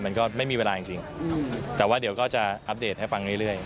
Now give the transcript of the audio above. มันก็ไม่มีเวลาจริงแต่ว่าเดี๋ยวก็จะอัปเดตให้ฟังเรื่อย